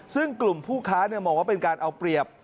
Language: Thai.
ซึ่งกลุ่มผู้ค้ามองว่าเป็นการเอาเปรียบ